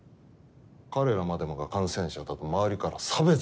彼らまでもが感染者だと周りから差別を受けかねない。